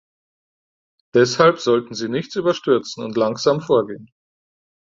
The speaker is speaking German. Deshalb sollten Sie nichts überstürzen und langsam vorgehen.